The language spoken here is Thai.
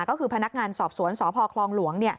ก็คือพนักงานสอบสวนสพคลองหลวง